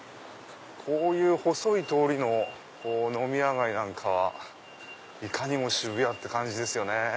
こういう細い通りの飲み屋街なんかはいかにも渋谷って感じですよね。